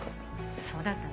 そうだったね。